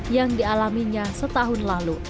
yang dialaminya setahun lalu